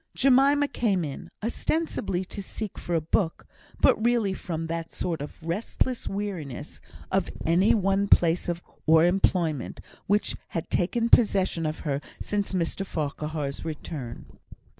Jemima came in, ostensibly to seek for a book, but really from that sort of restless weariness of any one place or employment, which had taken possession of her since Mr Farquhar's return.